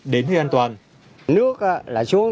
đến huy an toàn nước là xuống